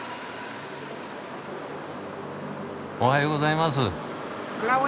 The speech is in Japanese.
おはようございます。